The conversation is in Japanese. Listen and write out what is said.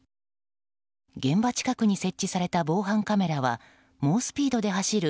現場近くに設置された防犯カメラは猛スピードで走る